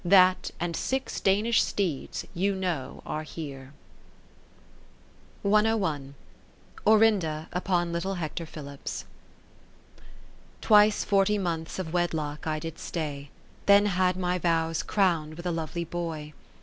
That and six Danish steeds you know are here. Orinda upon little Hector Philips I " Twice forty months of wedlock I did stay, Then had my vows crown'd with a lovely boy.